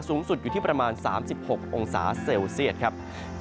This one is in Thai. สูงสุดอยู่ที่ประมาณ๓๖องศาเซลเซียตครับ